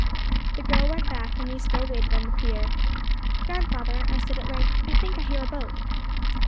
The girl went back, and we still waited on the pier. 'Grandfather,' I said at length, 'I think I hear a boat.'